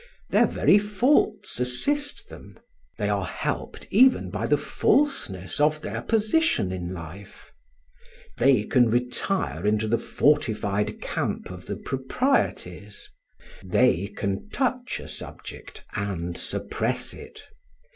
Their very faults assist them; they are helped even by the falseness of their position in life. They can retire into the fortified camp of the proprieties. They can touch a subject and suppress it.